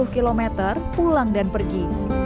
sepuluh km pulang dan pergi